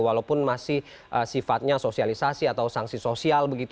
walaupun masih sifatnya sosialisasi atau sanksi sosial begitu